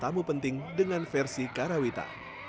dan juga penting dengan versi karawita